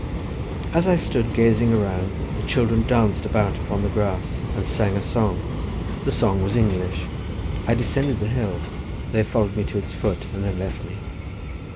As I stood gazing around the children danced about upon the grass, and sang a song. The song was English. I descended the hill; they followed me to its foot, and then left me.